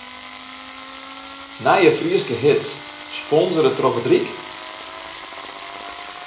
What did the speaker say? Nije Fryske hits, sponsore troch it Ryk?